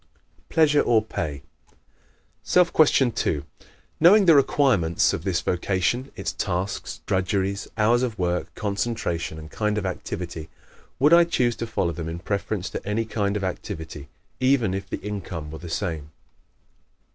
Pleasure or Pay? Self Question 2 _Knowing the requirements of this vocation its tasks, drudgeries, hours of work, concentration and kind of activity would I choose to follow them in preference to any other kind of activity even if the income were the same?